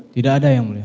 tidak ada yang mulia